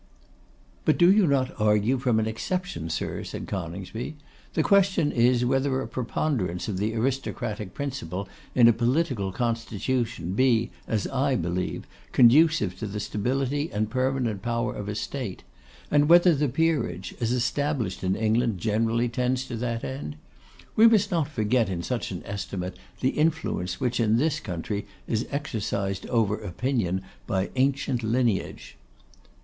'But do you not argue from an exception, sir?' said Coningsby. 'The question is, whether a preponderance of the aristocratic principle in a political constitution be, as I believe, conducive to the stability and permanent power of a State; and whether the peerage, as established in England, generally tends to that end? We must not forget in such an estimate the influence which, in this country, is exercised over opinion by ancient lineage.